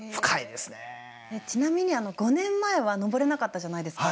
ちなみに５年前は登れなかったじゃないですか。